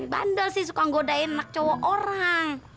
bandel sih suka nggodain anak cowok orang